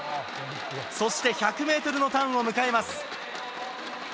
そして１００ｍのターンを迎えます。